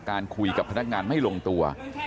การคุยกับพนักงานไม่ลงตัว